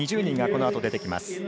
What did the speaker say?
２０人がこのあと、出てきます。